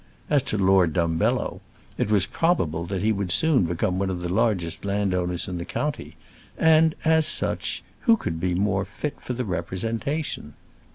As to Lord Dumbello, it was probable that he would soon become one of the largest landowners in the county; and, as such, who could be more fit for the representation?